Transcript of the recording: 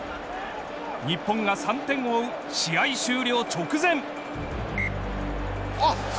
日本が３点を追う試合終了直前。